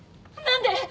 何で！？